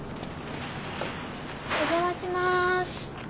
お邪魔します。